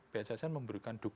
bssn memberikan dukungan